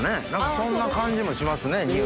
そんな感じもしますね匂いが。